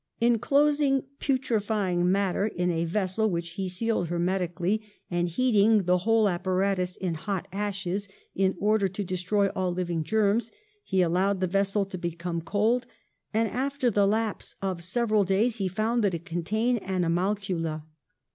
Enclosing putrefying matter in a ves sel which he sealed hermetically, and heating the whole apparatus in hot ashes, in order to destroy all living germs, he allowed the vessel to become cold, and after the lapse of several days he found that it contained animalcula.